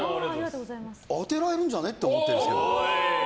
当てられるんじゃね？って思ってるんだけど。